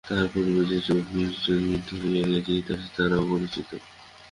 তাঁহার পূর্বে যে চব্বিশ জন বুদ্ধ হইয়া গিয়াছেন, ইতিহাসে তাঁহারা অপরিচিত।